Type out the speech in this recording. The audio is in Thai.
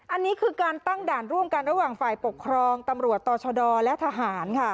อันนี้คือการตั้งด่านร่วมกันระหว่างฝ่ายปกครองตำรวจต่อชดและทหารค่ะ